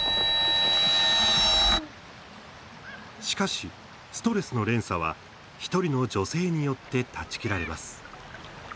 しかし、ストレスの連鎖は１人の女性によって断ち切られます。